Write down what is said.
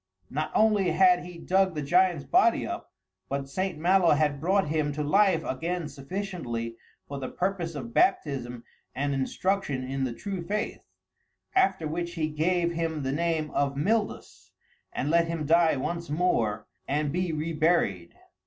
Not only had he dug the giant's body up, but St. Malo had brought him to life again sufficiently for the purpose of baptism and instruction in the true faith; after which he gave him the name of Mildus, and let him die once more and be reburied.